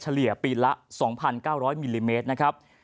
เลี่ยปีละ๒๙๐๐มิลลิเมตรนะครับ